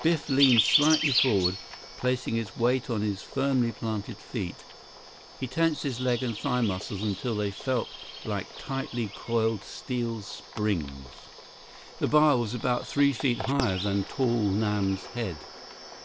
Biff leaned slightly forward, placing his weight on his firmly planted feet. He tensed his leg and thigh muscles until they felt like tightly coiled steel springs. 33 The bar was about three feet higher than tall Nam's head.